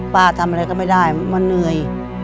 ทำอะไรก็ไม่ได้มันเหนื่อย